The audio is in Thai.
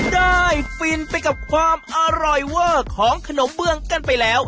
ฟินไปกับความอร่อยเวอร์ของขนมเบื้องกันไปแล้ว